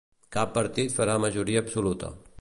Cap partit farà majoria absoluta.